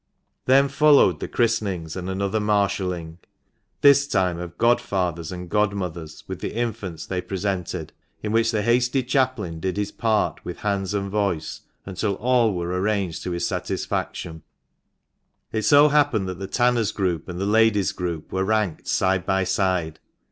Then followed the christenings, and another marshalling (this time of godfathers and godmothers, with the infants they presented), in which the hasty chaplain did his part with hands and voice until all were arranged to his satisfaction. THE MANCHESTER MAN. 25 It so happened that the tanner's group and the lady's group were ranked side by side.